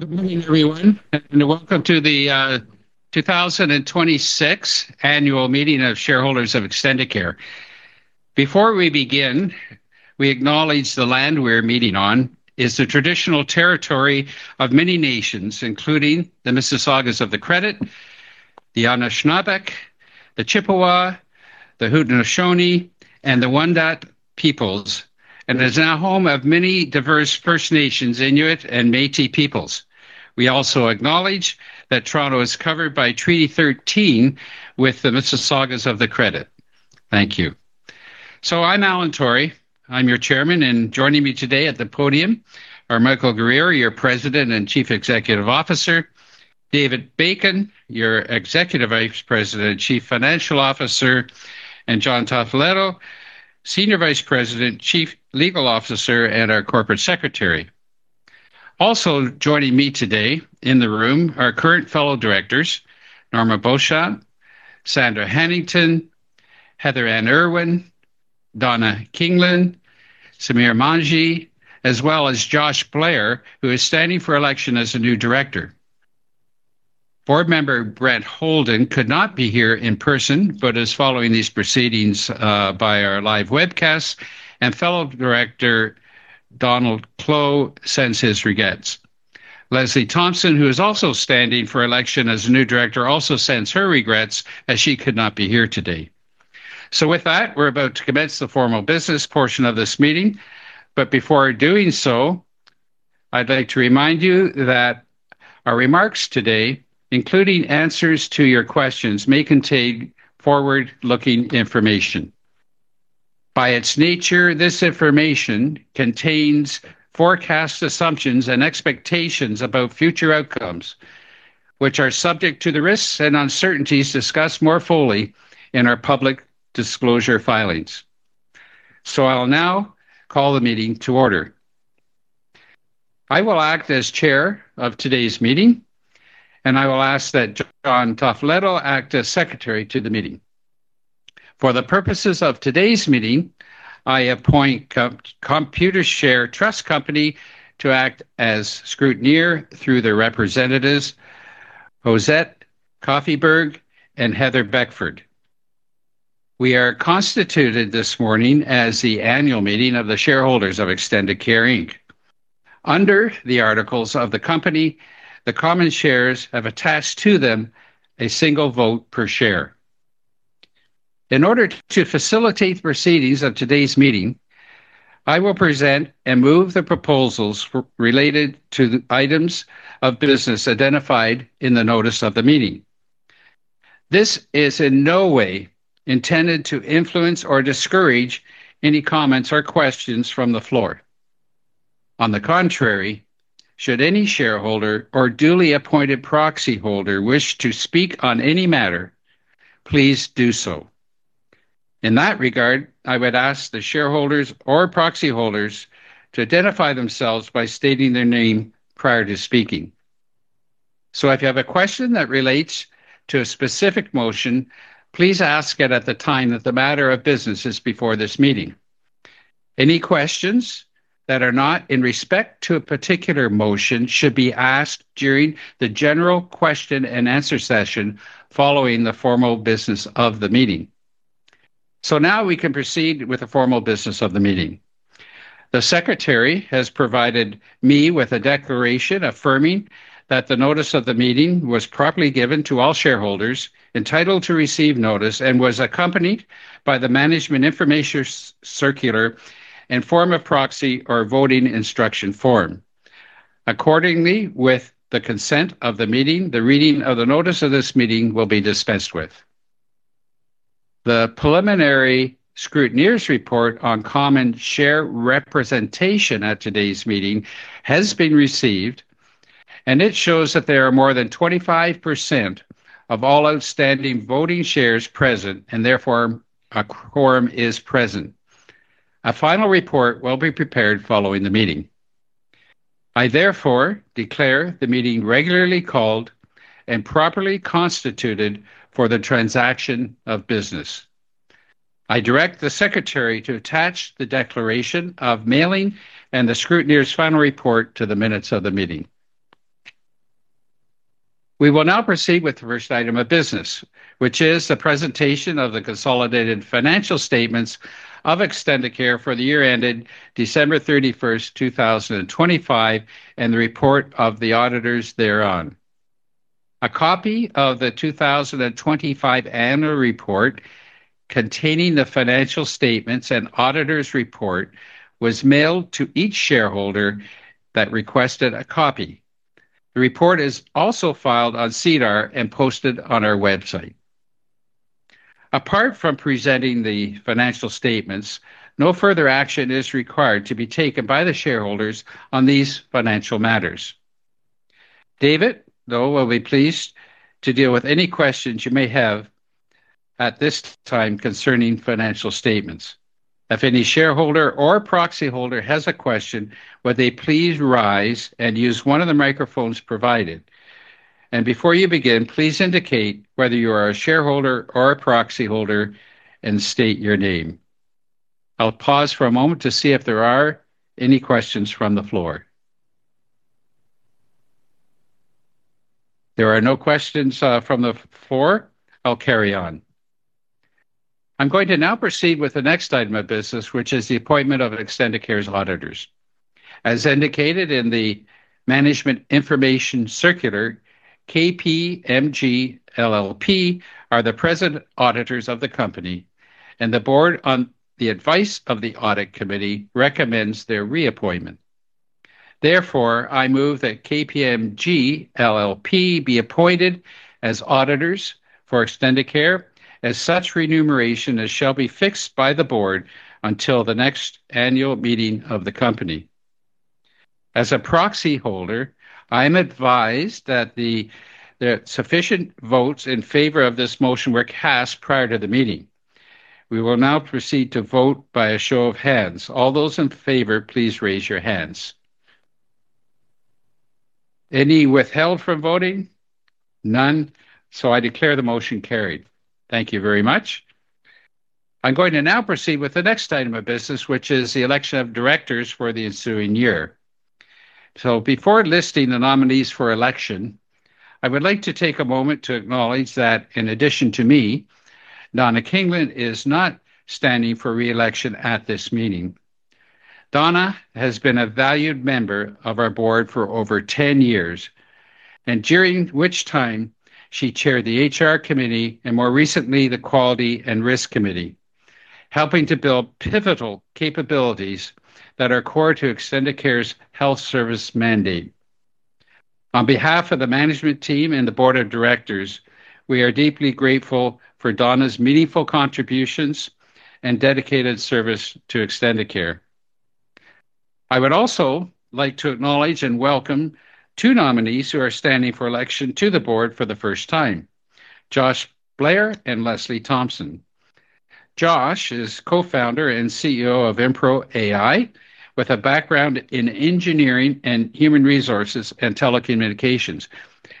Good morning, everyone, and welcome to the 2026 Annual Meeting of Shareholders of Extendicare. Before we begin, we acknowledge the land we're meeting on is the traditional territory of many nations, including the Mississaugas of the Credit, the Anishinaabe, the Chippewa, the Haudenosaunee, and the Wyandot peoples, and is now home of many diverse First Nations, Inuit, and Métis peoples. We also acknowledge that Toronto is covered by Treaty 13 with the Mississaugas of the Credit. Thank you. I'm Alan Torrie, I'm your Chairman, and joining me today at the podium are Michael Guerriere, your President and Chief Executive Officer, David Bacon, your Executive Vice President and Chief Financial Officer, and John Toffoletto, Senior Vice President, Chief Legal Officer, and our Corporate Secretary. Also joining me today in the room are current fellow Directors Norma Beauchamp, Sandra Hanington, Heather-Anne Irwin, Donna Kingelin, Samir Manji, as well as Josh Blair, who is standing for election as a new director. Board member Brent Houlden could not be here in person, but is following these proceedings by our live webcast, and fellow director Donald Clow sends his regrets. Leslee Thompson, who is also standing for election as a new director, also sends her regrets, as she could not be here today. With that, we're about to commence the formal business portion of this meeting. Before doing so, I'd like to remind you that our remarks today, including answers to your questions, may contain forward-looking information. By its nature, this information contains forecast assumptions and expectations about future outcomes, which are subject to the risks and uncertainties discussed more fully in our public disclosure filings. I'll now call the meeting to order. I will act as chair of today's meeting, and I will ask that John Toffoletto act as secretary to the meeting. For the purposes of today's meeting, I appoint Computershare Trust Company to act as scrutineer through their representatives, Josette Koffenberg and Heather Beckford. We are constituted this morning as the annual meeting of the shareholders of Extendicare Inc. Under the articles of the company, the common shares have attached to them a single vote per share. In order to facilitate the proceedings of today's meeting, I will present and move the proposals related to the items of business identified in the notice of the meeting. This is in no way intended to influence or discourage any comments or questions from the floor. On the contrary, should any shareholder or duly appointed proxy holder wish to speak on any matter, please do so. In that regard, I would ask the shareholders or proxy holders to identify themselves by stating their name prior to speaking. If you have a question that relates to a specific motion, please ask it at the time that the matter of business is before this meeting. Any questions that are not in respect to a particular motion should be asked during the general question and answer session following the formal business of the meeting. Now we can proceed with the formal business of the meeting. The secretary has provided me with a declaration affirming that the notice of the meeting was properly given to all shareholders entitled to receive notice and was accompanied by the management information circular and form of proxy or voting instruction form. Accordingly, with the consent of the meeting, the reading of the notice of this meeting will be dispensed with. The preliminary scrutineer's report on common share representation at today's meeting has been received, and it shows that there are more than 25% of all outstanding voting shares present, and therefore, a quorum is present. A final report will be prepared following the meeting. I therefore declare the meeting regularly called and properly constituted for the transaction of business. I direct the secretary to attach the declaration of mailing and the scrutineer's final report to the minutes of the meeting. We will now proceed with the first item of business, which is the presentation of the consolidated financial statements of Extendicare for the year ended December 31st, 2025, and the report of the auditors thereon. A copy of the 2025 annual report containing the financial statements and auditor's report was mailed to each shareholder that requested a copy. The report is also filed on SEDAR and posted on our website. Apart from presenting the financial statements, no further action is required to be taken by the shareholders on these financial matters. David, though, will be pleased to deal with any questions you may have at this time concerning financial statements. If any shareholder or proxy holder has a question, would they please rise and use one of the microphones provided? Before you begin, please indicate whether you are a shareholder or a proxy holder and state your name. I'll pause for a moment to see if there are any questions from the floor. There are no questions from the floor. I'll carry on. I'm going to now proceed with the next item of business, which is the appointment of Extendicare's auditors. As indicated in the management information circular, KPMG LLP are the present auditors of the company, and the board, on the advice of the audit committee, recommends their reappointment. Therefore, I move that KPMG LLP be appointed as auditors for Extendicare at such remuneration as shall be fixed by the board until the next annual meeting of the company. As a proxy holder, I am advised that sufficient votes in favor of this motion were cast prior to the meeting. We will now proceed to vote by a show of hands. All those in favor, please raise your hands. Any withheld from voting? None. I declare the motion carried. Thank you very much. I'm going to now proceed with the next item of business, which is the election of directors for the ensuing year. Before listing the nominees for election, I would like to take a moment to acknowledge that in addition to me, Donna Kingelin is not standing for reelection at this meeting. Donna has been a valued member of our board for over 10 years, and during which time she chaired the HR Committee and more recently, the Quality and Risk Committee, helping to build pivotal capabilities that are core to Extendicare's health service mandate. On behalf of the management team and the Board of Directors, we are deeply grateful for Donna's meaningful contributions and dedicated service to Extendicare. I would also like to acknowledge and welcome two nominees who are standing for election to the board for the first time, Josh Blair and Leslee Thompson. Josh is co-founder and CEO of Impro.AI with a background in engineering and human resources, and telecommunications.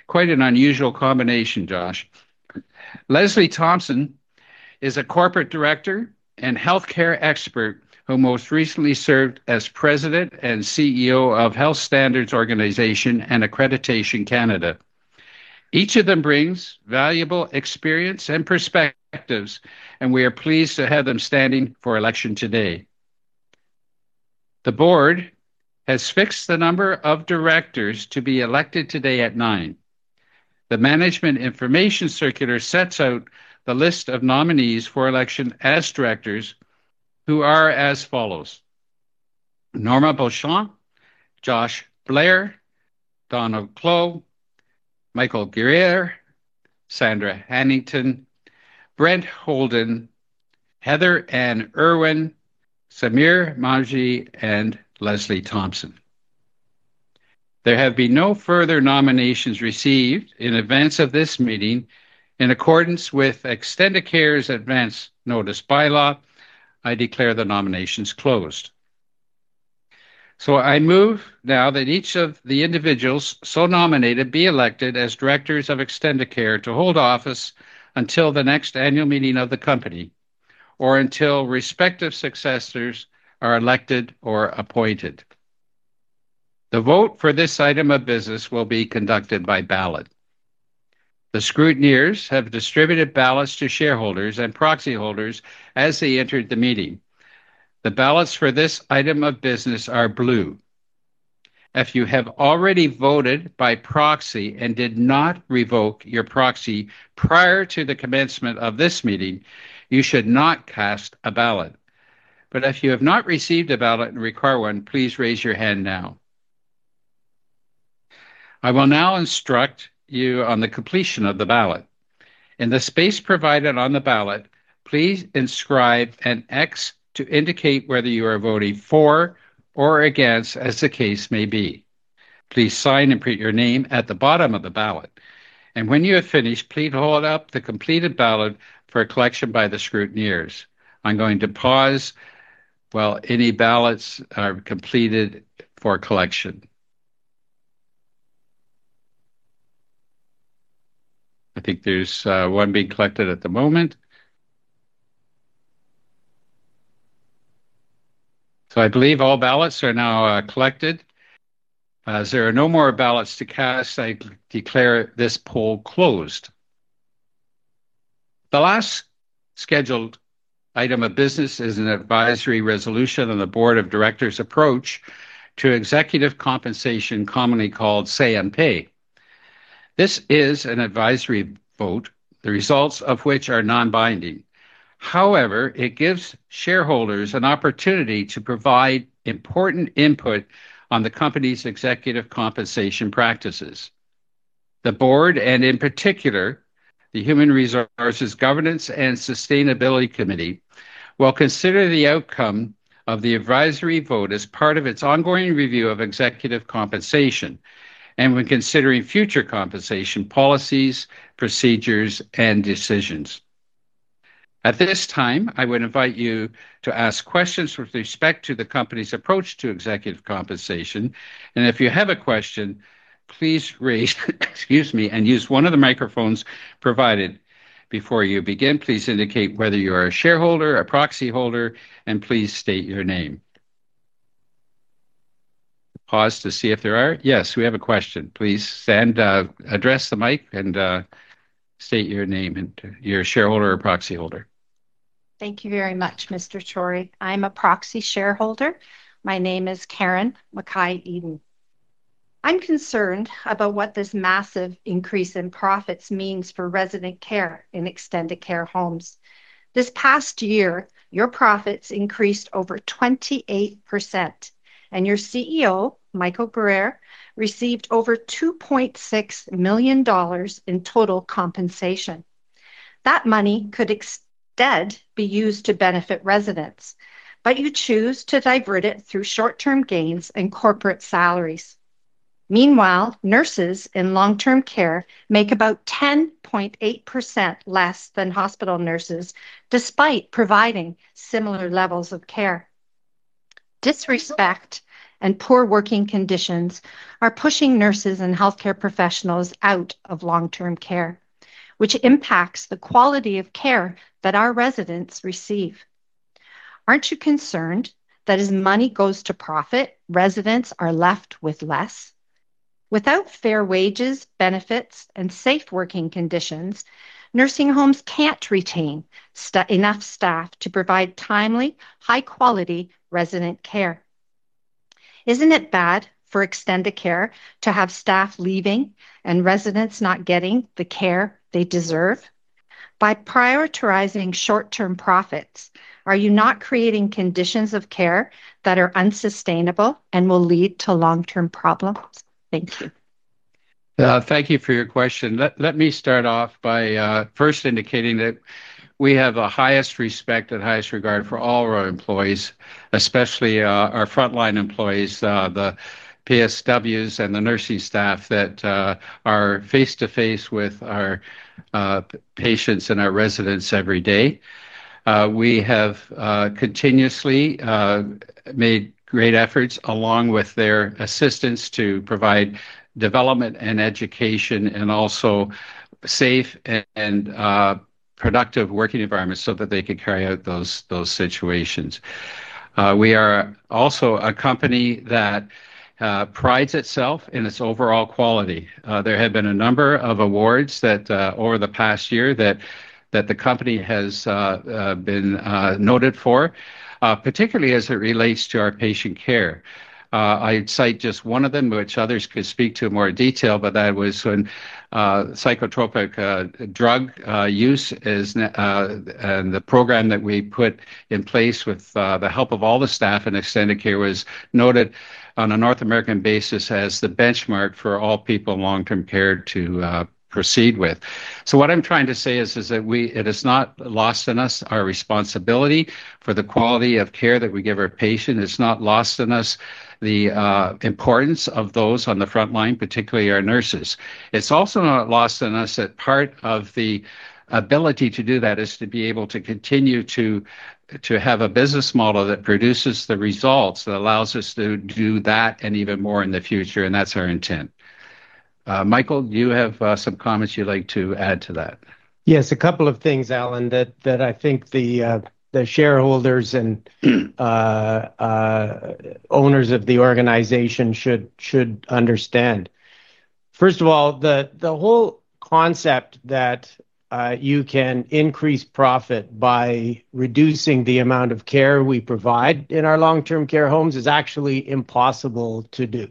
Quite an unusual combination, Josh. Leslee Thompson is a corporate director and healthcare expert who most recently served as president and CEO of Health Standards Organization and Accreditation Canada. Each of them brings valuable experience and perspectives, and we are pleased to have them standing for election today. The board has fixed the number of directors to be elected today at nine. The management information circular sets out the list of nominees for election as directors, who are as follows: Norma Beauchamp, Josh Blair, Donald Clow, Michael Guerriere, Sandra Hanington, Brent Houlden, Heather-Anne Irwin, Samir Manji, and Leslee Thompson. There have been no further nominations received in advance of this meeting. In accordance with Extendicare's advance notice bylaw, I declare the nominations closed. I move now that each of the individuals so nominated be elected as directors of Extendicare to hold office until the next annual meeting of the company, or until respective successors are elected or appointed. The vote for this item of business will be conducted by ballot. The scrutineers have distributed ballots to shareholders and proxy holders as they entered the meeting. The ballots for this item of business are blue. If you have already voted by proxy and did not revoke your proxy prior to the commencement of this meeting, you should not cast a ballot. If you have not received a ballot and require one, please raise your hand now. I will now instruct you on the completion of the ballot. In the space provided on the ballot, please inscribe an X to indicate whether you are voting for or against, as the case may be. Please sign and print your name at the bottom of the ballot, and when you have finished, please hold up the completed ballot for collection by the scrutineers. I'm going to pause while any ballots are completed for collection. I think there's one being collected at the moment. I believe all ballots are now collected. As there are no more ballots to cast, I declare this poll closed. The last scheduled item of business is an advisory resolution on the Board of Directors' approach to executive compensation, commonly called Say on Pay. This is an advisory vote, the results of which are non-binding. However, it gives shareholders an opportunity to provide important input on the company's executive compensation practices. The board, and in particular, the Human Resources, Governance, and Sustainability Committee, will consider the outcome of the advisory vote as part of its ongoing review of executive compensation and when considering future compensation policies, procedures, and decisions. At this time, I would invite you to ask questions with respect to the company's approach to executive compensation. If you have a question, please use one of the microphones provided. Before you begin, please indicate whether you are a shareholder or proxy holder, and please state your name. Yes, we have a question. Please stand, address the mic, and state your name and whether you're a shareholder or proxy holder. Thank you very much, Mr. Torrie. I'm a proxy shareholder. My name is Karen McKay-Eden. I'm concerned about what this massive increase in profits means for resident care in Extendicare homes. This past year, your profits increased over 28%, and your CEO, Michael Guerriere, received over $2.6 million in total compensation. That money could instead be used to benefit residents, but you choose to divert it through short-term gains and corporate salaries. Meanwhile, nurses in long-term care make about 10.8% less than hospital nurses despite providing similar levels of care. Disrespect and poor working conditions are pushing nurses and healthcare professionals out of long-term care, which impacts the quality of care that our residents receive. Aren't you concerned that as money goes to profit, residents are left with less? Without fair wages, benefits, and safe working conditions, nursing homes can't retain enough staff to provide timely, high-quality resident care. Isn't it bad for Extendicare to have staff leaving and residents not getting the care they deserve? By prioritizing short-term profits, are you not creating conditions of care that are unsustainable and will lead to long-term problems? Thank you. Thank you for your question. Let me start off by first indicating that we have the highest respect and highest regard for all our employees, especially our frontline employees, the PSWs, and the nursing staff that are face-to-face with our patients and our residents every day. We have continuously made great efforts, along with their assistance, to provide development and education, and also safe and productive working environments so that they can carry out those situations. We are also a company that prides itself in its overall quality. There have been a number of awards over the past year that the company has been noted for, particularly as it relates to our patient care. I cite just one of them, which others could speak to in more detail, but that was when psychotropic drug use and the program that we put in place with the help of all the staff in Extendicare was noted on a North American basis as the benchmark for all people in long-term care to proceed with. What I'm trying to say is, it is not lost on us our responsibility for the quality of care that we give our patients. It's not lost on us the importance of those on the front line, particularly our nurses. It's also not lost on us that part of the ability to do that is to be able to continue to have a business model that produces the results that allows us to do that and even more in the future, and that's our intent. Michael, do you have some comments you'd like to add to that? Yes, a couple of things, Alan, that I think the shareholders and owners of the organization should understand. First of all, the whole concept that you can increase profit by reducing the amount of care we provide in our long-term care homes is actually impossible to do.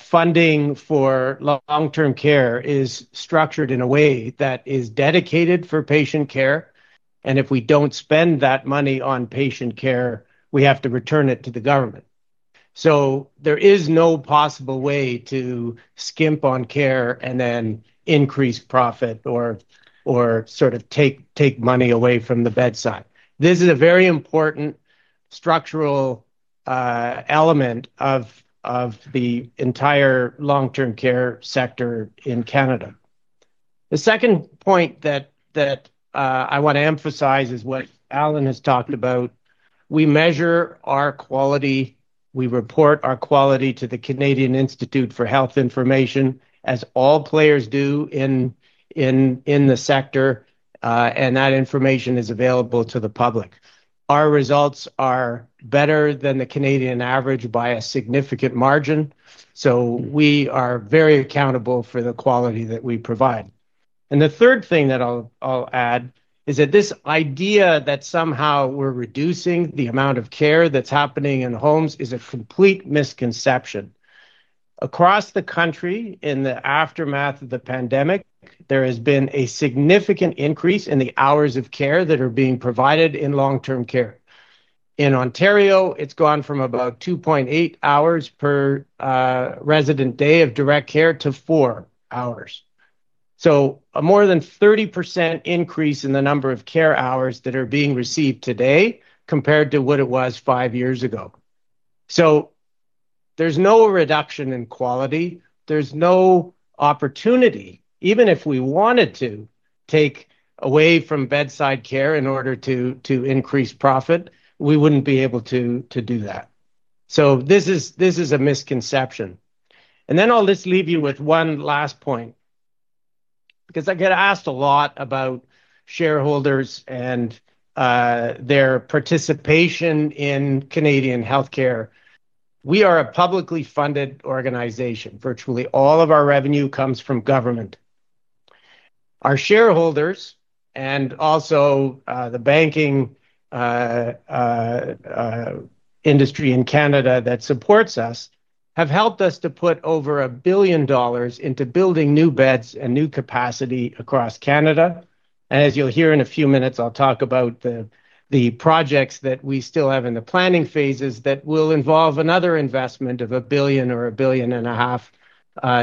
Funding for long-term care is structured in a way that is dedicated for patient care, and if we don't spend that money on patient care, we have to return it to the government. So there is no possible way to skimp on care and then increase profit or sort of take money away from the bedside. This is a very important structural element of the entire long-term care sector in Canada. The second point that I want to emphasize is what Alan has talked about. We measure our quality, we report our quality to the Canadian Institute for Health Information, as all players do in the sector, and that information is available to the public. Our results are better than the Canadian average by a significant margin, so we are very accountable for the quality that we provide. The third thing that I'll add is that this idea that somehow we're reducing the amount of care that's happening in the homes is a complete misconception. Across the country, in the aftermath of the pandemic, there has been a significant increase in the hours of care that are being provided in long-term care. In Ontario, it's gone from about 2.8 hours per resident day of direct care to four hours. A more than 30% increase in the number of care hours that are being received today compared to what it was five years ago. There's no reduction in quality. There's no opportunity. Even if we wanted to take away from bedside care in order to increase profit, we wouldn't be able to do that. This is a misconception. I'll just leave you with one last point. Because I get asked a lot about shareholders and their participation in Canadian healthcare. We are a publicly funded organization. Virtually all of our revenue comes from government. Our shareholders and also the banking industry in Canada that supports us have helped us to put over $1 billion into building new beds and new capacity across Canada. As you'll hear in a few minutes, I'll talk about the projects that we still have in the planning phases that will involve another investment of 1 billion or 1.5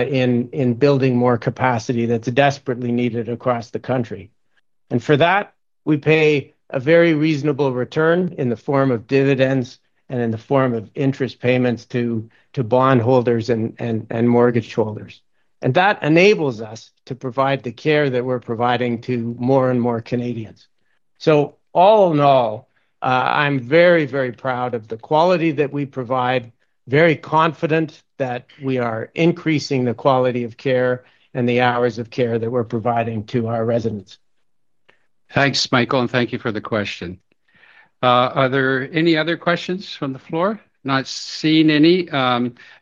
billion in building more capacity that's desperately needed across the country. For that, we pay a very reasonable return in the form of dividends and in the form of interest payments to bondholders and mortgage holders. That enables us to provide the care that we're providing to more and more Canadians. All in all, I'm very, very proud of the quality that we provide, very confident that we are increasing the quality of care and the hours of care that we're providing to our residents. Thanks, Michael, and thank you for the question. Are there any other questions from the floor? Not seeing any.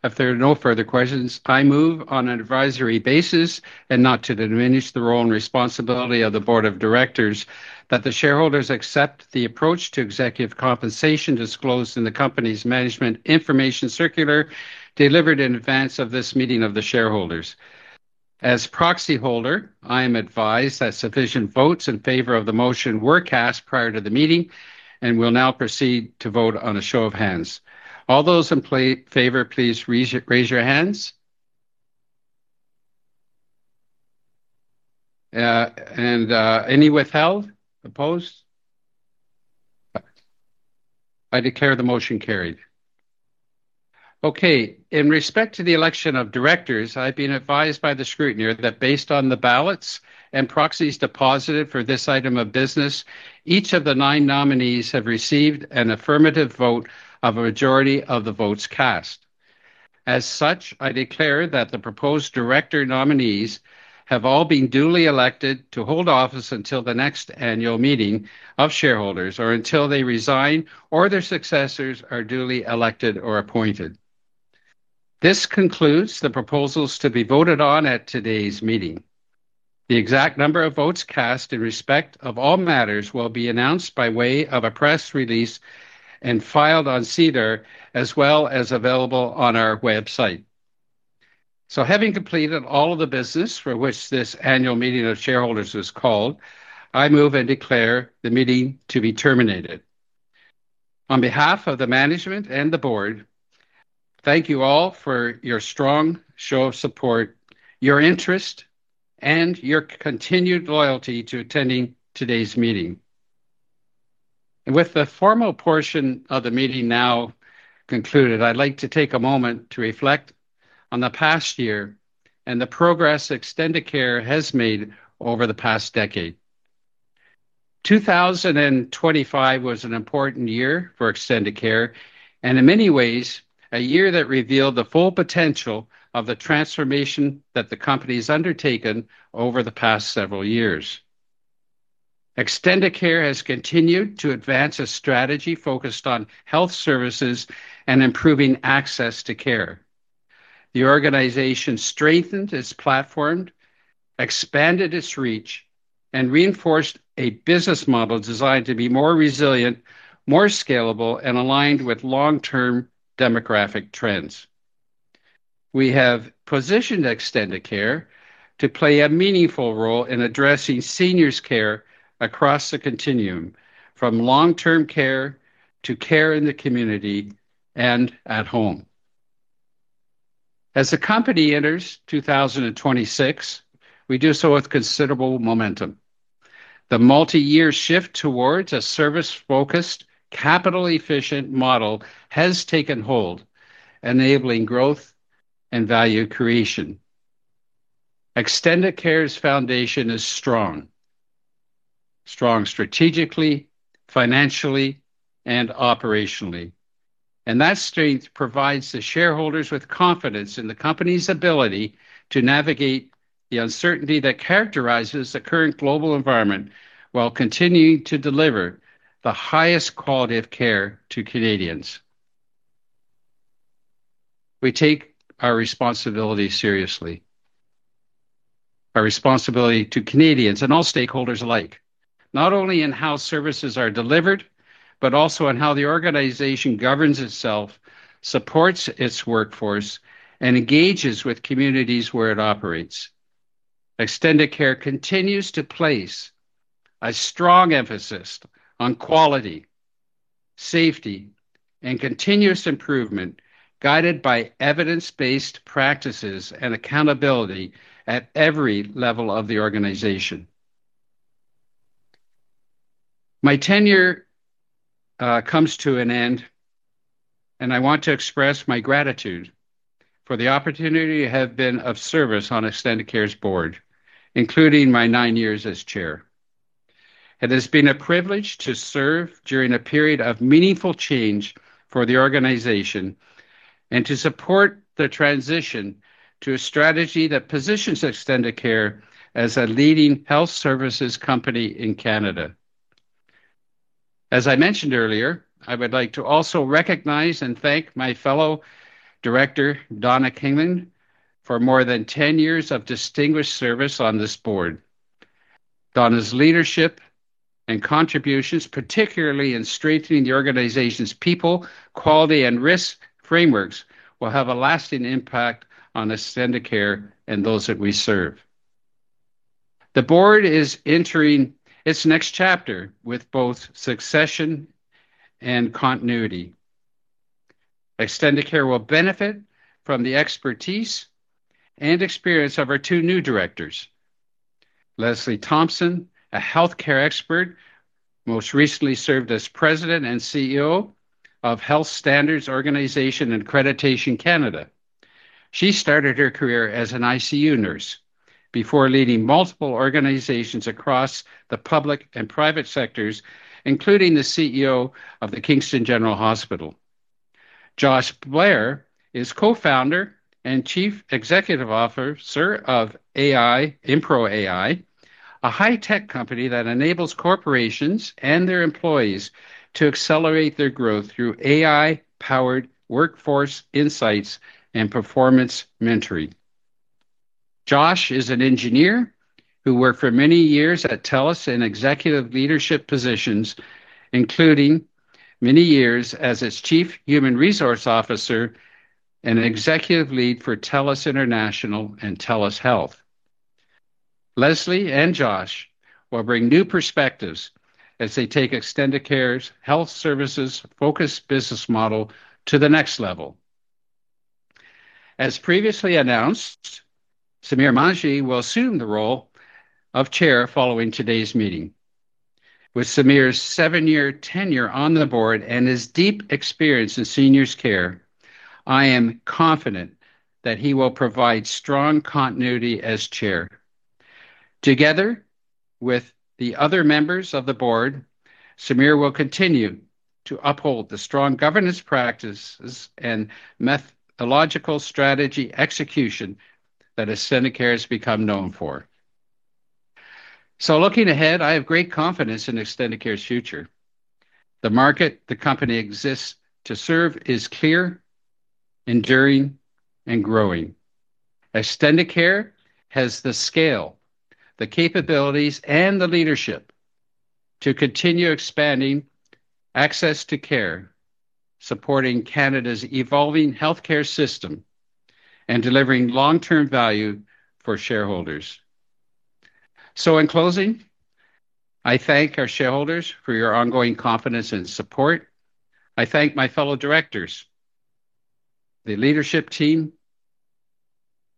If there are no further questions, I move on an advisory basis and not to diminish the role and responsibility of the Board of Directors that the shareholders accept the approach to executive compensation disclosed in the company's management information circular delivered in advance of this meeting of the shareholders. As proxy holder, I am advised that sufficient votes in favor of the motion were cast prior to the meeting and will now proceed to vote on a show of hands. All those in favor, please raise your hands. Any withheld? Opposed? I declare the motion carried. Okay, in respect to the election of directors, I've been advised by the scrutineer that based on the ballots and proxies deposited for this item of business, each of the nine nominees have received an affirmative vote of a majority of the votes cast. As such, I declare that the proposed director nominees have all been duly elected to hold office until the next annual meeting of shareholders, or until they resign, or their successors are duly elected or appointed. This concludes the proposals to be voted on at today's meeting. The exact number of votes cast in respect of all matters will be announced by way of a press release and filed on SEDAR, as well as available on our website. Having completed all of the business for which this annual meeting of shareholders was called, I move and declare the meeting to be terminated. On behalf of the management and the board, thank you all for your strong show of support, your interest, and your continued loyalty to attending today's meeting. With the formal portion of the meeting now concluded, I'd like to take a moment to reflect on the past year and the progress Extendicare has made over the past decade. 2025 was an important year for Extendicare, and in many ways, a year that revealed the full potential of the transformation that the company's undertaken over the past several years. Extendicare has continued to advance a strategy focused on health services and improving access to care. The organization strengthened its platform, expanded its reach, and reinforced a business model designed to be more resilient, more scalable, and aligned with long-term demographic trends. We have positioned Extendicare to play a meaningful role in addressing seniors' care across the continuum, from long-term care to care in the community and at home. As the company enters 2026, we do so with considerable momentum. The multi-year shift towards a service-focused, capital-efficient model has taken hold, enabling growth and value creation. Extendicare's foundation is strong. Strong strategically, financially, and operationally. That strength provides the shareholders with confidence in the company's ability to navigate the uncertainty that characterizes the current global environment while continuing to deliver the highest quality of care to Canadians. We take our responsibility seriously, our responsibility to Canadians and all stakeholders alike, not only in how services are delivered, but also in how the organization governs itself, supports its workforce, and engages with communities where it operates. Extendicare continues to place a strong emphasis on quality, safety, and continuous improvement, guided by evidence-based practices and accountability at every level of the organization. My tenure comes to an end, and I want to express my gratitude for the opportunity to have been of service on Extendicare's board, including my nine years as chair. It has been a privilege to serve during a period of meaningful change for the organization and to support the transition to a strategy that positions Extendicare as a leading health services company in Canada. As I mentioned earlier, I would like to also recognize and thank my fellow director, Donna Kingelin, for more than 10 years of distinguished service on this board. Donna's leadership and contributions, particularly in strengthening the organization's people, quality, and risk frameworks, will have a lasting impact on Extendicare and those that we serve. The board is entering its next chapter with both succession and continuity. Extendicare will benefit from the expertise and experience of our two new directors. Leslee Thompson, a healthcare expert, most recently served as President and CEO of Health Standards Organization and Accreditation Canada. She started her career as an ICU nurse before leading multiple organizations across the public and private sectors, including the CEO of the Kingston General Hospital. Josh Blair is co-founder and Chief Executive Officer of Impro.AI, a high-tech company that enables corporations and their employees to accelerate their growth through AI-powered workforce insights and performance mentoring. Josh is an engineer who worked for many years at TELUS in executive leadership positions, including many years as its chief human resource officer and executive lead for TELUS International and TELUS Health. Leslee and Josh will bring new perspectives as they take Extendicare's health services-focused business model to the next level. As previously announced, Samir Manji will assume the role of chair following today's meeting. With Samir's seven-year tenure on the board and his deep experience in seniors care, I am confident that he will provide strong continuity as chair. Together with the other members of the board, Samir will continue to uphold the strong governance practices and methodological strategy execution that Extendicare has become known for. Looking ahead, I have great confidence in Extendicare's future. The market the company exists to serve is clear, enduring, and growing. Extendicare has the scale, the capabilities, and the leadership to continue expanding access to care, supporting Canada's evolving healthcare system, and delivering long-term value for shareholders. In closing, I thank our shareholders for your ongoing confidence and support. I thank my fellow directors, the leadership team,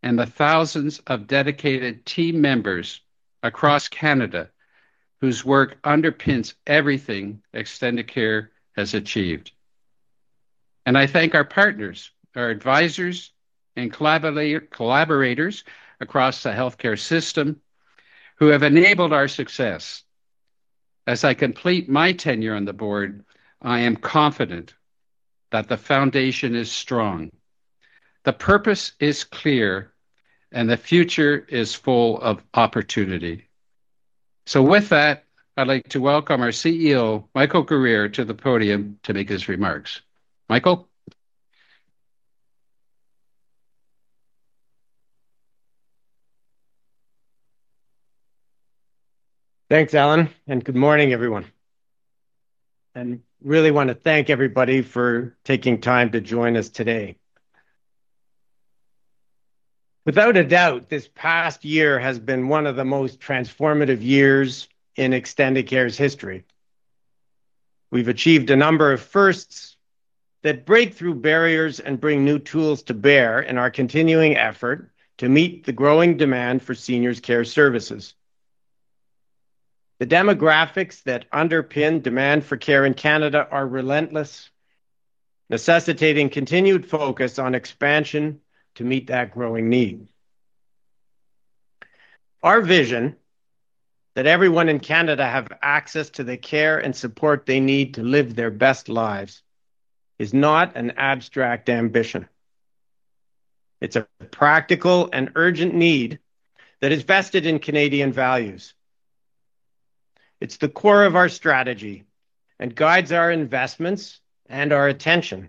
and the thousands of dedicated team members across Canada whose work underpins everything Extendicare has achieved. I thank our partners, our advisors, and collaborators across the healthcare system who have enabled our success. As I complete my tenure on the board, I am confident that the foundation is strong, the purpose is clear, and the future is full of opportunity. With that, I'd like to welcome our CEO, Michael Guerriere, to the podium to make his remarks. Michael? Thanks, Alan, and good morning, everyone. Really want to thank everybody for taking time to join us today. Without a doubt, this past year has been one of the most transformative years in Extendicare's history. We've achieved a number of firsts that break through barriers and bring new tools to bear in our continuing effort to meet the growing demand for seniors' care services. The demographics that underpin demand for care in Canada are relentless, necessitating continued focus on expansion to meet that growing need. Our vision that everyone in Canada have access to the care and support they need to live their best lives is not an abstract ambition. It's a practical and urgent need that is vested in Canadian values. It's the core of our strategy and guides our investments and our attention.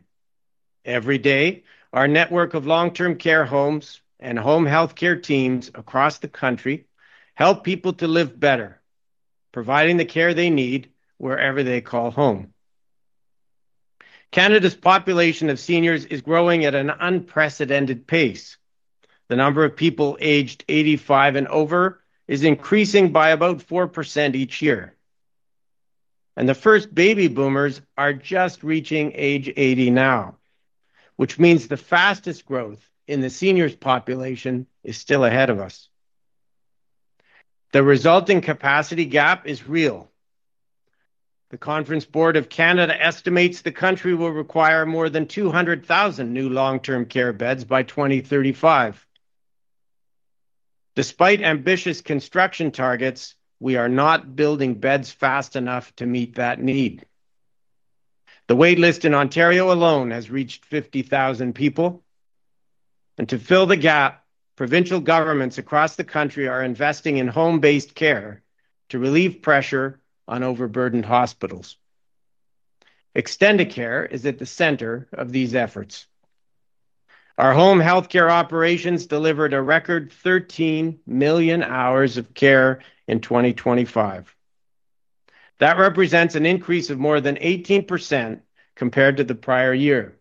Every day, our network of long-term care homes and home healthcare teams across the country help people to live better, providing the care they need wherever they call home. Canada's population of seniors is growing at an unprecedented pace. The number of people aged 85 and over is increasing by about 4% each year. The first baby boomers are just reaching age 80 now, which means the fastest growth in the seniors population is still ahead of us. The resulting capacity gap is real. The Conference Board of Canada estimates the country will require more than 200,000 new long-term care beds by 2035. Despite ambitious construction targets, we are not building beds fast enough to meet that need. The wait list in Ontario alone has reached 50,000 people. To fill the gap, provincial governments across the country are investing in home-based care to relieve pressure on overburdened hospitals. Extendicare is at the center of these efforts. Our home healthcare operations delivered a record 13 million hours of care in 2025. That represents an increase of more than 18% compared to the prior year.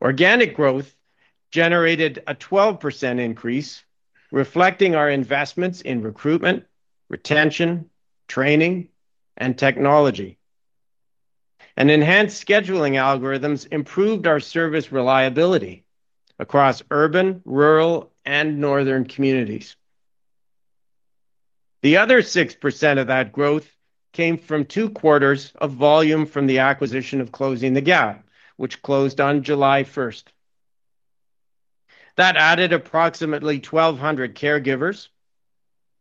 Organic growth generated a 12% increase, reflecting our investments in recruitment, retention, training, and technology. Enhanced scheduling algorithms improved our service reliability across urban, rural, and northern communities. The other 6% of that growth came from two quarters of volume from the acquisition of Closing the Gap, which closed on July 1st. That added approximately 1,200 caregivers,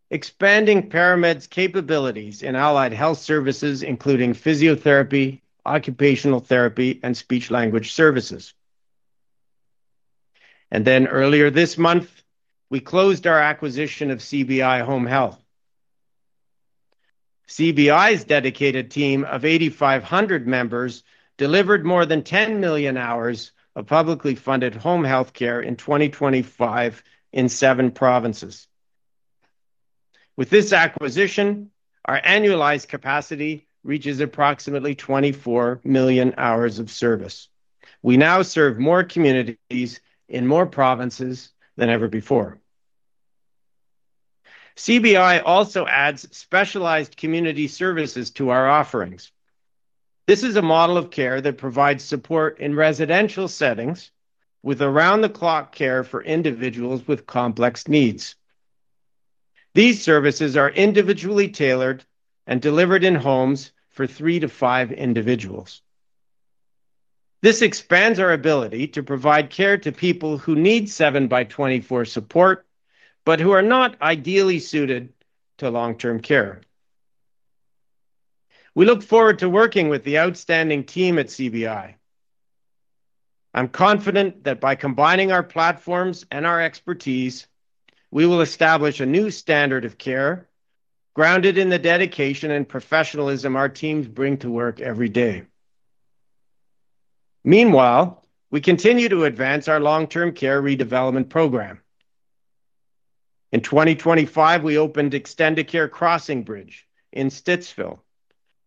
expanding ParaMed's capabilities in allied health services, including physiotherapy, occupational therapy, and speech language services. Earlier this month, we closed our acquisition of CBI Home Health. CBI's dedicated team of 8,500 members delivered more than 10 million hours of publicly funded home health care in 2025 in seven provinces. With this acquisition, our annualized capacity reaches approximately 24 million hours of service. We now serve more communities in more provinces than ever before. CBI also adds specialized community services to our offerings. This is a model of care that provides support in residential settings with around-the-clock care for individuals with complex needs. These services are individually tailored and delivered in homes for three to five individuals. This expands our ability to provide care to people who need seven by 24 support, but who are not ideally suited to long-term care. We look forward to working with the outstanding team at CBI. I'm confident that by combining our platforms and our expertise, we will establish a new standard of care grounded in the dedication and professionalism our teams bring to work every day. Meanwhile, we continue to advance our long-term care redevelopment program. In 2025, we opened Extendicare Crossing Bridge in Stittsville,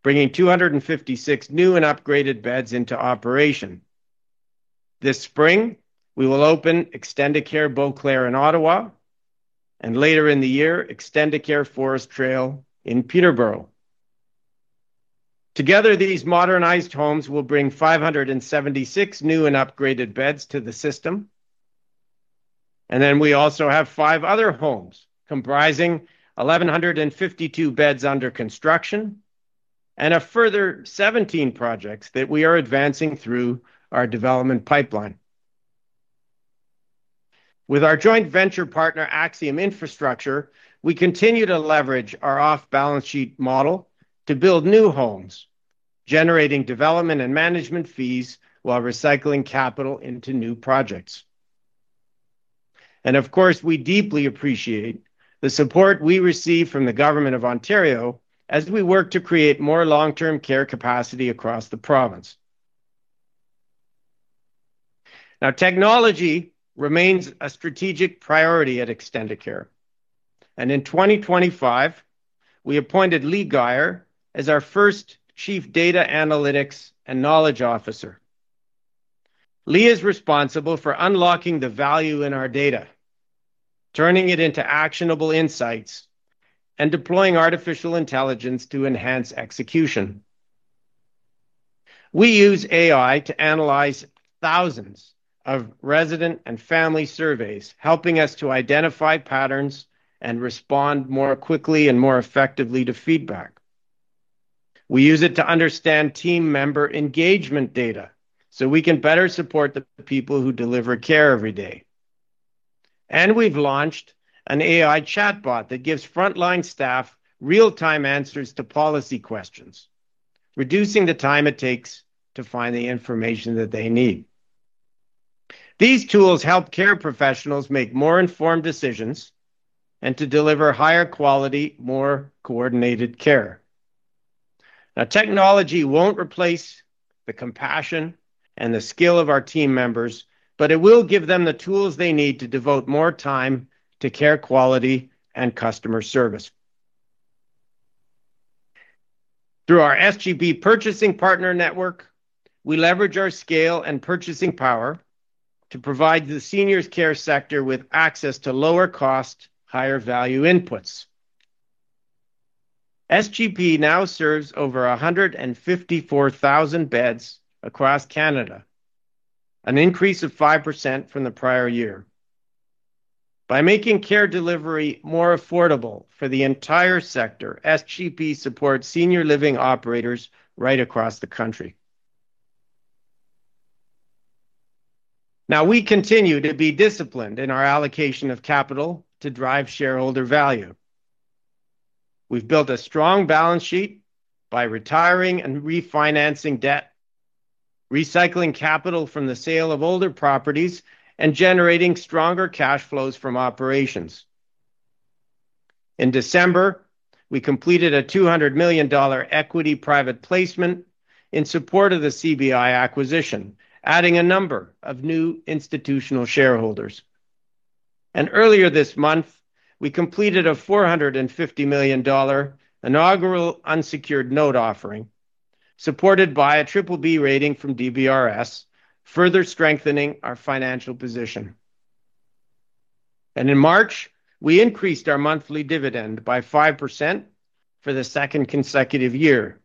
bringing 256 new and upgraded beds into operation. This spring, we will open Extendicare Beauclair in Ottawa, and later in the year, Extendicare Forest Trail in Peterborough. Together, these modernized homes will bring 576 new and upgraded beds to the system. We also have five other homes comprising 1,152 beds under construction, and a further 17 projects that we are advancing through our development pipeline. With our joint venture partner, Axium Infrastructure, we continue to leverage our off-balance-sheet model to build new homes, generating development and management fees while recycling capital into new projects. Of course, we deeply appreciate the support we receive from the government of Ontario as we work to create more long-term care capacity across the province. Now, technology remains a strategic priority at Extendicare. In 2025, we appointed Lee Geyer as our first Chief Data, Analytics, and Knowledge Officer. Lee is responsible for unlocking the value in our data, turning it into actionable insights, and deploying artificial intelligence to enhance execution. We use AI to analyze thousands of resident and family surveys, helping us to identify patterns and respond more quickly and more effectively to feedback. We use it to understand team member engagement data so we can better support the people who deliver care every day. We've launched an AI chatbot that gives frontline staff real-time answers to policy questions, reducing the time it takes to find the information that they need. These tools help care professionals make more informed decisions and to deliver higher-quality, more coordinated care. Now, technology won't replace the compassion and the skill of our team members, but it will give them the tools they need to devote more time to care quality and customer service. Through our SGP Purchasing Partner Network, we leverage our scale and purchasing power to provide the seniors care sector with access to lower-cost, higher-value inputs. SGP now serves over 154,000 beds across Canada, an increase of 5% from the prior year. By making care delivery more affordable for the entire sector, SGP supports senior living operators right across the country. Now, we continue to be disciplined in our allocation of capital to drive shareholder value. We've built a strong balance sheet by retiring and refinancing debt, recycling capital from the sale of older properties, and generating stronger cash flows from operations. In December, we completed a 200 million dollar equity private placement in support of the CBI acquisition, adding a number of new institutional shareholders. Earlier this month, we completed a $450 million inaugural unsecured note offering, supported by a BBB rating from DBRS, further strengthening our financial position. In March, we increased our monthly dividend by 5% for the second consecutive year.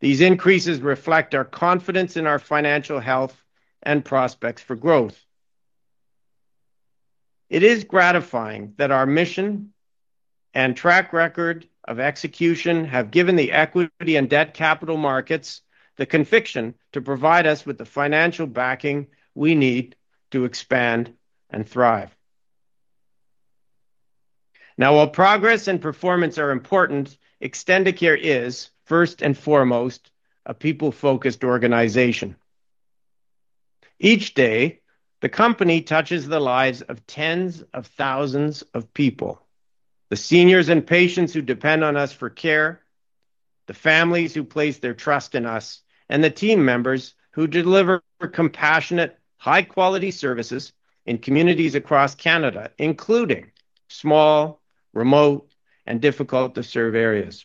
These increases reflect our confidence in our financial health and prospects for growth. It is gratifying that our mission and track record of execution have given the equity and debt capital markets the conviction to provide us with the financial backing we need to expand and thrive. Now, while progress and performance are important, Extendicare is first and foremost a people-focused organization. Each day, the company touches the lives of tens of thousands of people. The seniors and patients who depend on us for care, the families who place their trust in us, and the team members who deliver compassionate, high-quality services in communities across Canada, including small, remote, and difficult-to-serve areas.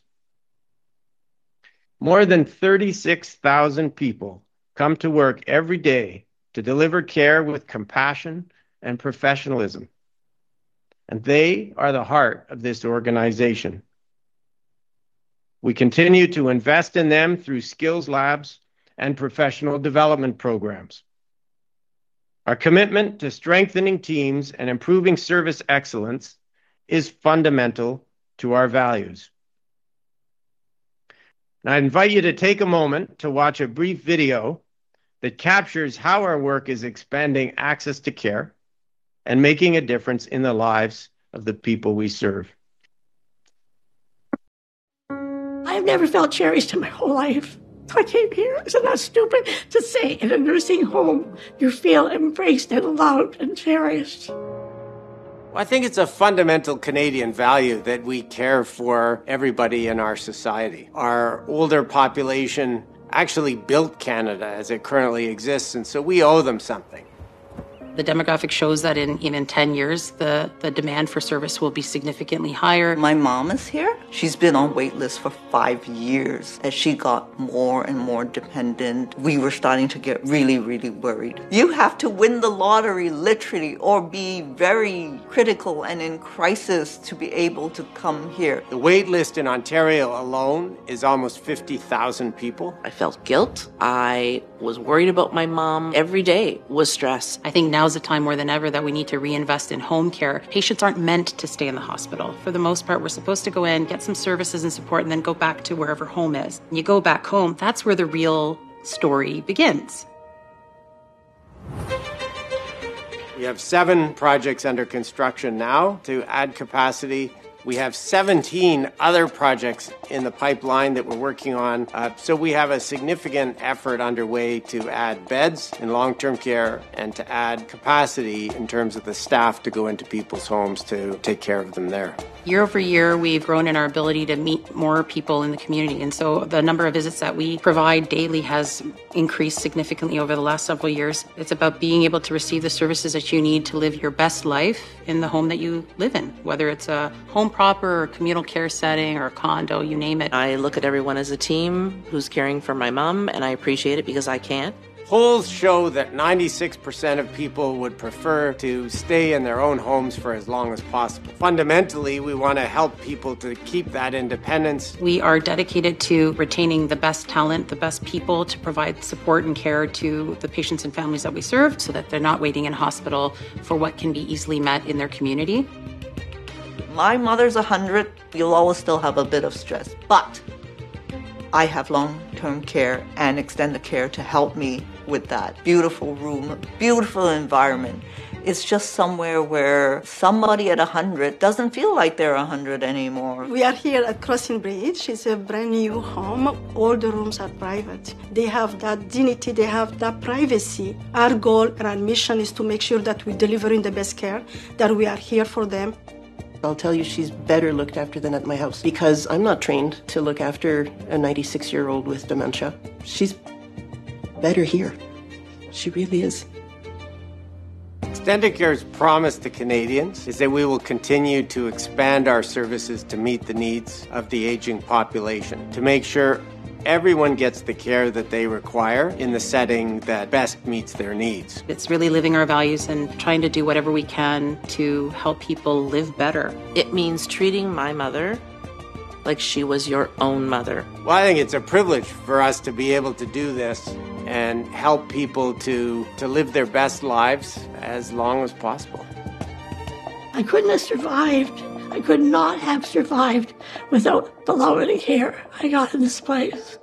More than 36,000 people come to work every day to deliver care with compassion and professionalism, and they are the heart of this organization. We continue to invest in them through skills labs and professional development programs. Our commitment to strengthening teams and improving service excellence is fundamental to our values. Now I invite you to take a moment to watch a brief video that captures how our work is expanding access to care and making a difference in the lives of the people we serve. I have never felt cherished in my whole life. I came here. Isn't that stupid to say, in a nursing home, you feel embraced and loved and cherished? Well, I think it's a fundamental Canadian value that we care for everybody in our society. Our older population actually built Canada as it currently exists, and so we owe them something. The demographics shows that in 10 years, the demand for service will be significantly higher. My mom is here. She's been on wait lists for five years. As she got more and more dependent, we were starting to get really, really worried. You have to win the lottery literally, or be very critical and in crisis, to be able to come here. The wait list in Ontario alone is almost 50,000 people. I felt guilt. I was worried about my mom. Every day was stress. I think now is the time more than ever, that we need to reinvest in home care. Patients aren't meant to stay in the hospital. For the most part, we're supposed to go in, get some services and support, and then go back to wherever home is. When you go back home, that's where the real story begins. We have seven projects under construction now to add capacity. We have 17 other projects in the pipeline that we're working on. We have a significant effort underway to add beds in long-term care and to add capacity in terms of the staff to go into people's homes to take care of them there. Year over year, we've grown in our ability to meet more people in the community, and so the number of visits that we provide daily has increased significantly over the last several years. It's about being able to receive the services that you need to live your best life in the home that you live in, whether it's a home proper or communal care setting or a condo, you name it. I look at everyone as a team who's caring for my mom, and I appreciate it because I can't. Polls show that 96% of people would prefer to stay in their own homes for as long as possible. Fundamentally, we want to help people to keep that independence. We are dedicated to retaining the best talent, the best people, to provide support and care to the patients and families that we serve, so that they're not waiting in hospital for what can be easily met in their community. My mother's 100. You'll always still have a bit of stress, but I have long-term care and Extendicare to help me with that. Beautiful room, beautiful environment. It's just somewhere where somebody at 100 doesn't feel like they're 100 anymore. We are here at Crossing Bridge. It's a brand new home. All the rooms are private. They have that dignity, they have that privacy. Our goal and our mission is to make sure that we're delivering the best care, that we are here for them. I'll tell you, she's better looked after than at my house, because I'm not trained to look after a 96-year-old with dementia. She's better here. She really is. Extendicare's promise to Canadians is that we will continue to expand our services to meet the needs of the aging population, to make sure everyone gets the care that they require in the setting that best meets their needs. It's really living our values and trying to do whatever we can to help people live better. It means treating my mother. Like she was your own mother. Well, I think it's a privilege for us to be able to do this and help people to live their best lives as long as possible. I couldn't have survived. I could not have survived without the lovely care I got in this place.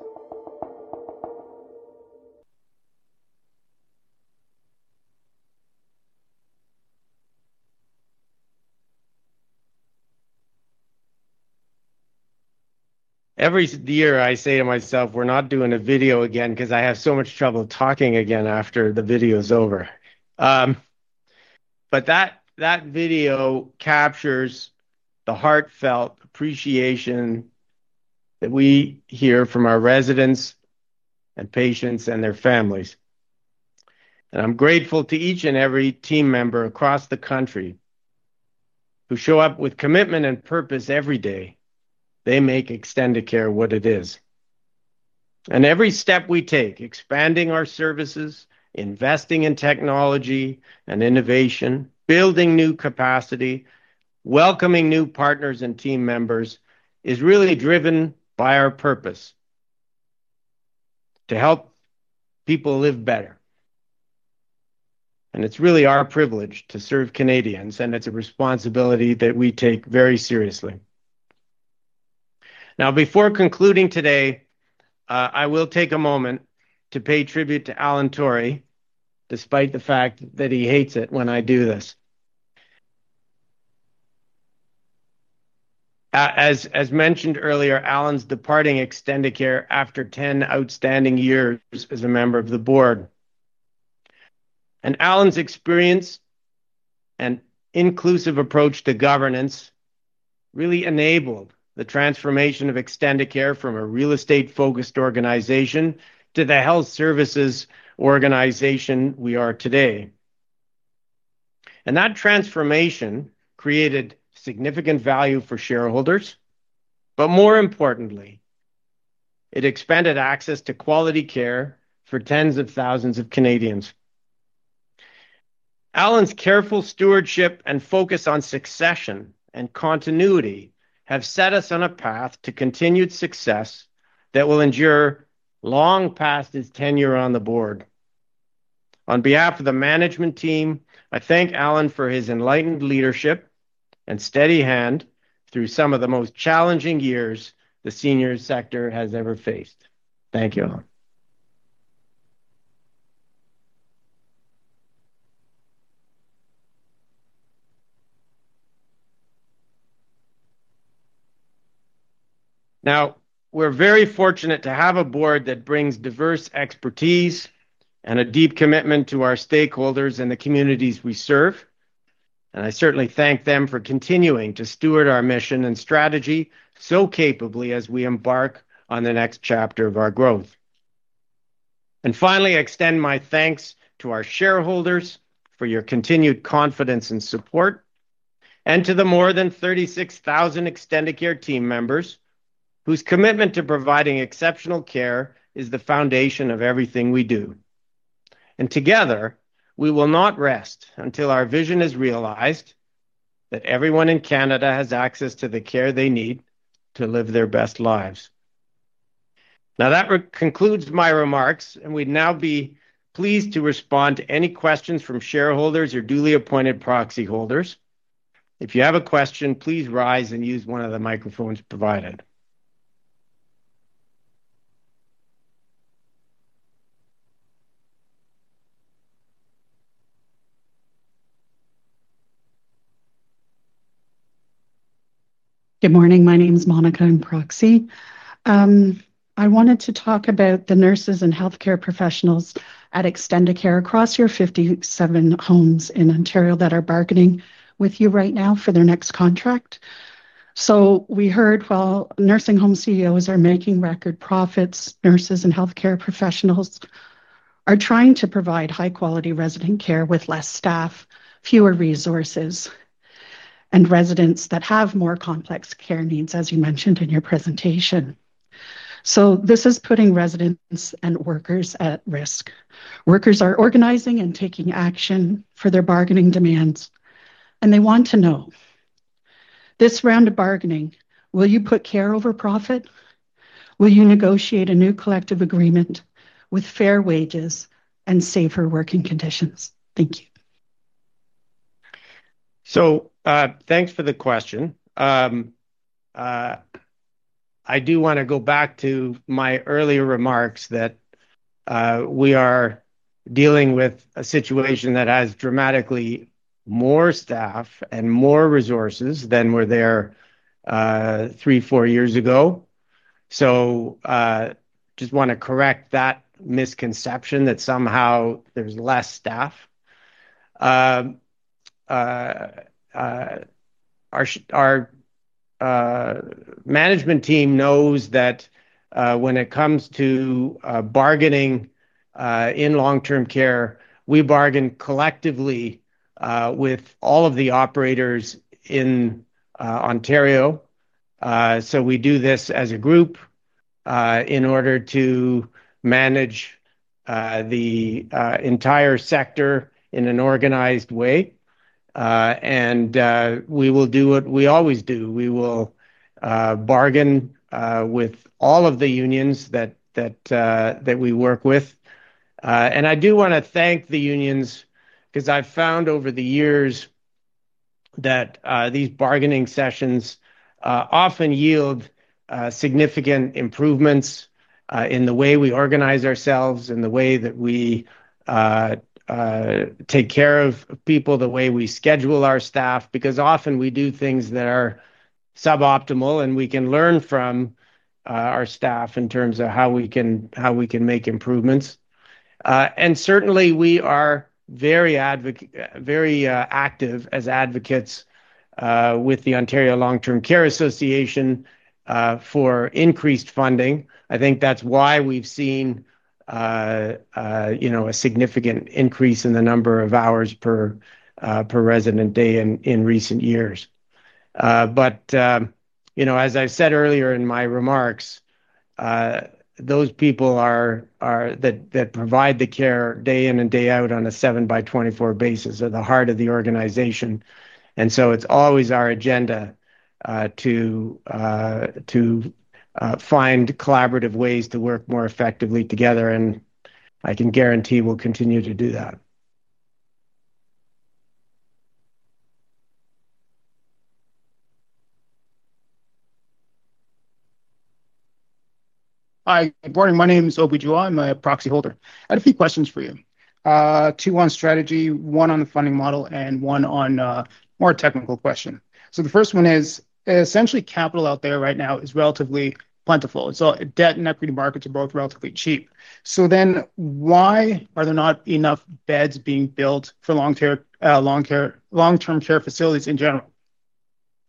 Every year, I say to myself, "We're not doing a video again," because I have so much trouble talking again after the video's over. That video captures the heartfelt appreciation that we hear from our residents and patients, and their families. I'm grateful to each and every team member across the country who show up with commitment and purpose every day. They make Extendicare what it is. Every step we take, expanding our services, investing in technology and innovation, building new capacity, welcoming new partners and team members, is really driven by our purpose to help people live better. It's really our privilege to serve Canadians, and it's a responsibility that we take very seriously. Now, before concluding today, I will take a moment to pay tribute to Alan Torrie, despite the fact that he hates it when I do this. As mentioned earlier, Alan's departing Extendicare after 10 outstanding years as a member of the board. Alan's experience and inclusive approach to governance really enabled the transformation of Extendicare from a real estate-focused, organization to the health services organization we are today. That transformation created significant value for shareholders, but more importantly, it expanded access to quality care for tens of thousands of Canadians. Alan's careful stewardship and focus on succession and continuity have set us on a path to continued success that will endure long past his tenure on the board. On behalf of the management team, I thank Alan for his enlightened leadership and steady hand through some of the most challenging years the seniors sector has ever faced. Thank you, Alan. Now, we're very fortunate to have a board that brings diverse expertise and a deep commitment to our stakeholders and the communities we serve, and I certainly thank them for continuing to steward our mission and strategy so capably as we embark on the next chapter of our growth. Finally, I extend my thanks to our shareholders for your continued confidence and support, and to the more than 36,000 Extendicare team members whose commitment to providing exceptional care is the foundation of everything we do. Together, we will not rest until our vision is realized, that everyone in Canada has access to the care they need to live their best lives. Now, that concludes my remarks, and we'd now be pleased to respond to any questions from shareholders or duly appointed proxy holders. If you have a question, please rise and use one of the microphones provided. Good morning. My name's Monica. I'm proxy. I wanted to talk about the nurses and healthcare professionals at Extendicare across your 57 homes in Ontario that are bargaining with you right now for their next contract. We heard while nursing home CEOs are making record profits, nurses and healthcare professionals are trying to provide high-quality resident care with less staff, fewer resources, and residents that have more complex care needs, as you mentioned in your presentation. This is putting residents and workers at risk. Workers are organizing and taking action for their bargaining demands, and they want to know, this round of bargaining, will you put care over profit? Will you negotiate a new collective agreement with fair wages and safer working conditions? Thank you. Thanks for the question. I do want to go back to my earlier remarks that we are dealing with a situation that has dramatically more staff and more resources than were there three, four years ago. Just want to correct that misconception that somehow there's less staff. Our management team knows that when it comes to bargaining in long-term care, we bargain collectively with all of the operators in Ontario. We do this as a group in order to manage the entire sector in an organized way. We will do what we always do. We will bargain with all of the unions that we work with. I do want to thank the unions because I've found over the years that these bargaining sessions often yield significant improvements in the way we organize ourselves, in the way that we take care of people, the way we schedule our staff, because often we do things that are suboptimal, and we can learn from our staff in terms of how we can make improvements. Certainly, we are very active as advocates with the Ontario Long Term Care Association for increased funding. I think that's why we've seen a significant increase in the number of hours per resident day in recent years. As I said earlier in my remarks, those people that provide the care day in and day out on a seven by 24 basis are the heart of the organization. It's always our agenda to find collaborative ways to work more effectively together, and I can guarantee we'll continue to do that. Hi. Good morning. My name is Obi Jua. I'm a proxy holder. I had a few questions for you. Two on strategy, one on the funding model, and one on a more technical question. The first one is, essentially, capital out there right now is relatively plentiful. Debt and equity markets are both relatively cheap. Why are there not enough beds being built for long-term care facilities in general?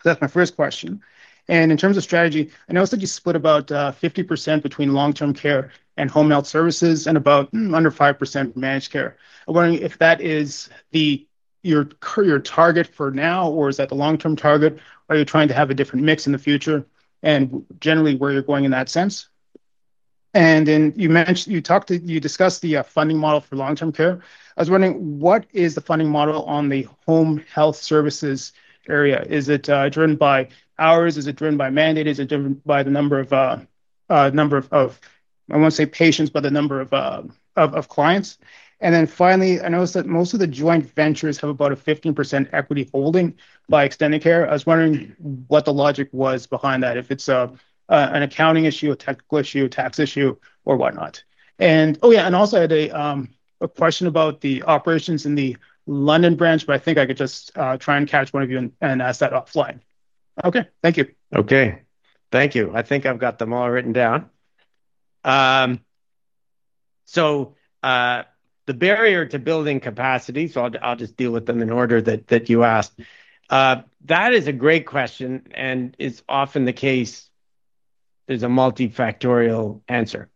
That's my first question. In terms of strategy, I noticed that you split about 50% between long-term care and home health services,, and about under 5% managed care. I'm wondering if that is your target for now or is that the long-term target, are you trying to have a different mix in the future, and generally where you're going in that sense. Then you discussed the funding model for long-term care. I was wondering, what is the funding model on the home health services area? Is it driven by hours? Is it driven by mandate? Is it driven by the number of, I won't say patients, but the number of clients? Finally, I noticed that most of the joint ventures have about a 15% equity holding by Extendicare. I was wondering what the logic was behind that, if it's an accounting issue, a technical issue, a tax issue or whatnot. Oh, yeah, and also I had a question about the operations in the London branch, but I think I could just try and catch one of you and ask that offline. Okay. Thank you. Okay. Thank you. I think I've got them all written down. The barrier to building capacity, so I'll just deal with them in order that you asked. That is a great question and it's often the case there's a multifactorial answer.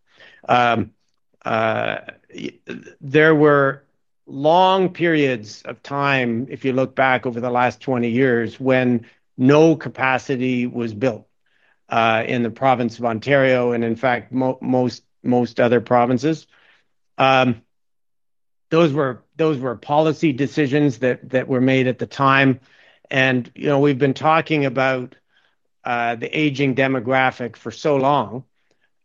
There were long periods of time, if you look back over the last 20 years, when no capacity was built in the province of Ontario, and in fact, most other provinces. Those were policy decisions that were made at the time. We've been talking about the aging demographic for so long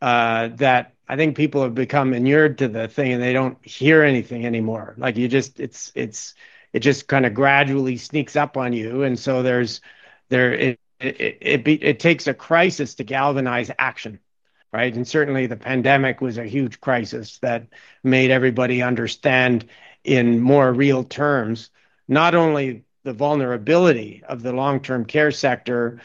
that I think people have become inured to the thing, and they don't hear anything anymore. It just kind of gradually sneaks up on you. It takes a crisis to galvanize action, right? Certainly, the pandemic was a huge crisis that made everybody understand in more real terms not only the vulnerability of the long-term care sector,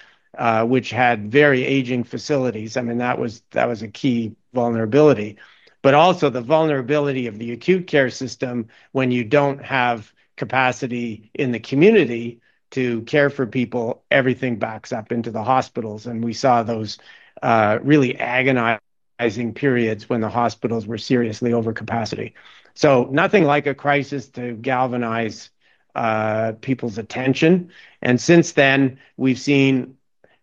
which had very aging facilities, I mean, that was a key vulnerability, but also the vulnerability of the acute care system. When you don't have capacity in the community to care for people, everything backs up into the hospitals. We saw those really agonizing periods when the hospitals were seriously over capacity. Nothing like a crisis to galvanize people's attention. Since then, we've seen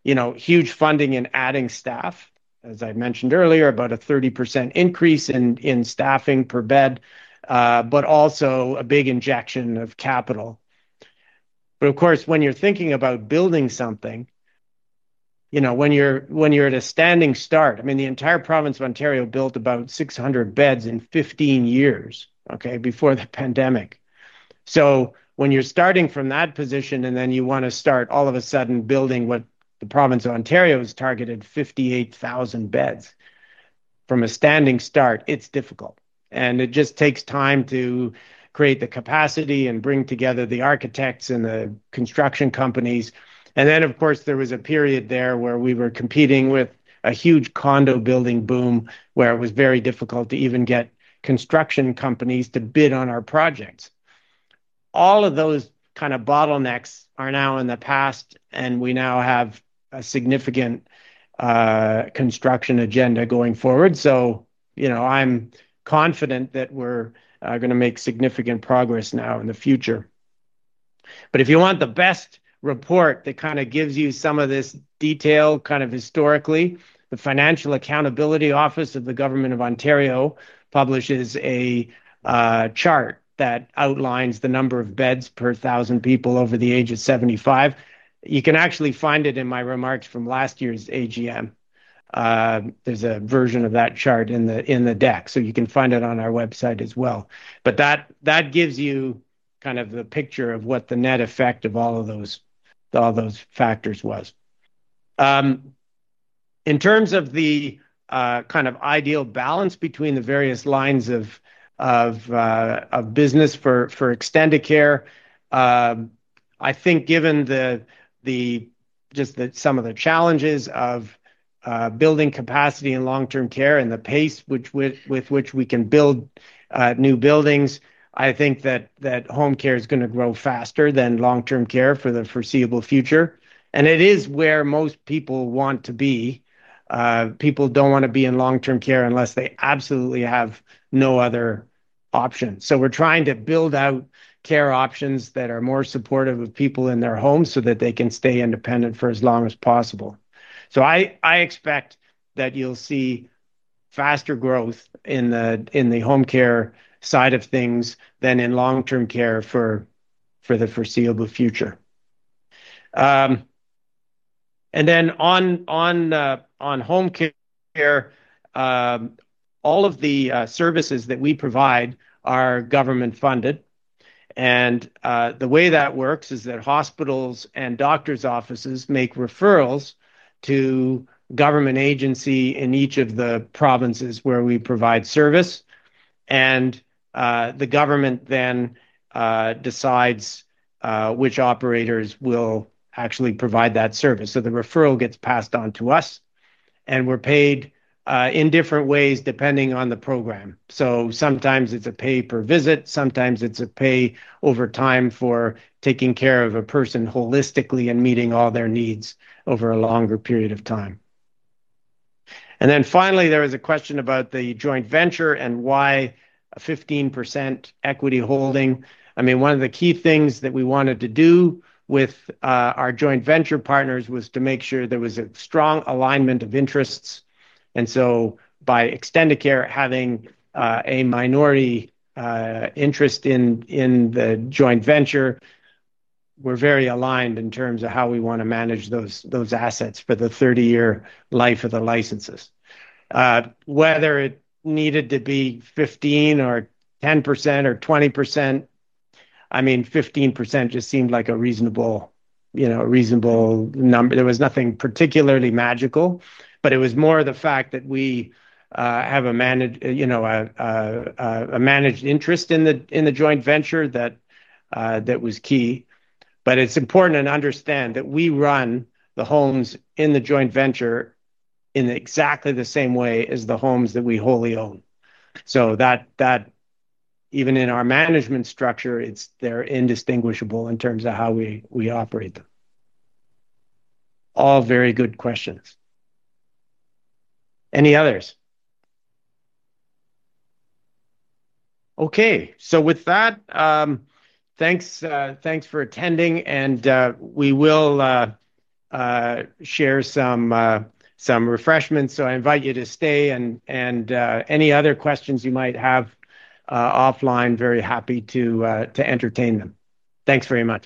huge funding in adding staff, as I mentioned earlier, about a 30% increase in staffing per bed, but also a big injection of capital. Of course, when you're thinking about building something, when you're at a standing start, I mean, the entire province of Ontario built about 600 beds in 15 years, okay, before the pandemic. When you're starting from that position, and then you want to start all of a sudden building what the province of Ontario has targeted, 58,000 beds. From a standing start, it's difficult. It just takes time to create the capacity and bring together the architects and the construction companies. Then, of course, there was a period there where we were competing with a huge condo building boom, where it was very difficult to even get construction companies to bid on our projects. All of those kind of bottlenecks are now in the past, and we now have a significant construction agenda going forward. I'm confident that we're going to make significant progress now in the future. If you want the best report that kind of gives you some of this detail historically, the Financial Accountability Office of Ontario publishes a chart that outlines the number of beds per thousand people over the age of 75. You can actually find it in my remarks from last year's AGM. There's a version of that chart in the deck, so you can find it on our website as well. That gives you kind of the picture of what the net effect of all those factors was. In terms of the kind of ideal balance between the various lines of business for Extendicare. I think,, given just some of the challenges of building capacity in long-term care and the pace with which we can build new buildings, I think that home care is going to grow faster than long-term care for the foreseeable future. It is where most people want to be. People don't want to be in long-term care unless they absolutely have no other option. We're trying to build out care options that are more supportive of people in their homes so that they can stay independent for as long as possible. I expect that you'll see faster growth in the home care side of things than in long-term care for the foreseeable future. Then on home care, all of the services that we provide are government-funded. The way that works is that hospitals and doctor's offices make referrals to government agency in each of the provinces where we provide service. The government then decides which operators will actually provide that service. The referral gets passed on to us, and we're paid in different ways, depending on the program. Sometimes it's a pay-per-visit, sometimes it's a pay-over-time for taking care of a person holistically and meeting all their needs over a longer period of time. Then, finally, there was a question about the joint venture and why a 15% equity holding. One of the key things that we wanted to do with our joint venture partners was to make sure there was a strong alignment of interests. By Extendicare having a minority interest in the joint venture, we're very aligned in terms of how we want to manage those assets for the 30-year life of the licenses. Whether it needed to be 15% or 10% or 20%. 15% just seemed like a reasonable number. There was nothing particularly magical, but it was more the fact that we have a minority interest in the joint venture that was key. It's important to understand that we run the homes in the joint venture in exactly the same way as the homes that we wholly own. Even in our management structure, they're indistinguishable in terms of how we operate them. All very good questions. Any others? Okay. With that, thanks for attending, and we will share some refreshments. I invite you to stay and, any other questions you might have offline, very happy to entertain them. Thanks very much.